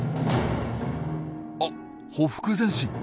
あっ「ほふく前進」。